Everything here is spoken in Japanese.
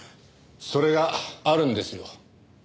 それがあるんですよ。